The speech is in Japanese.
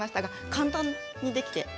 簡単にできて。